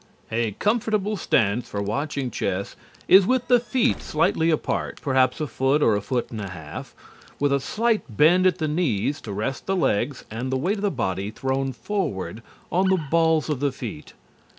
A comfortable stance for watching chess is with the feet slightly apart (perhaps a foot or a foot and a half), with a slight bend at the knees to rest the legs and the weight of the body thrown forward on the balls of the feet.